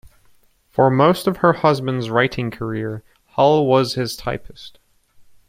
For most of her husband's writing career, Hull was his typist.